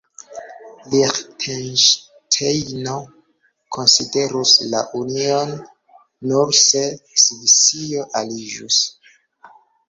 Liĥtenŝtejno konsiderus la union, nur se Svisio aliĝus.